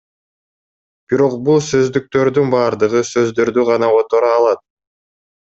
Бирок бул сөздүктөрдүн баардыгы сөздөрдү гана которо алат.